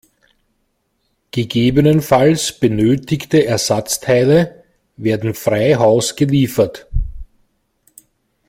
Gegebenenfalls benötigte Ersatzteile werden frei Haus geliefert.